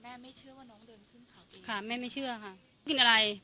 ไม่เชื่อว่าน้องเดินขึ้นเขาจริงค่ะแม่ไม่เชื่อค่ะกินอะไร